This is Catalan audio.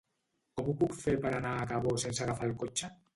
Com ho puc fer per anar a Cabó sense agafar el cotxe?